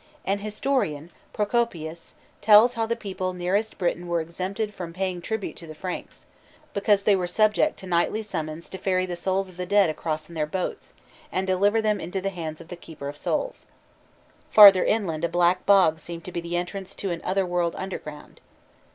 An historian, Procopius, tells how the people nearest Britain were exempted from paying tribute to the Franks, because they were subject to nightly summons to ferry the souls of the dead across in their boats, and deliver them into the hands of the keeper of souls. Farther inland a black bog seemed to be the entrance to an otherworld underground.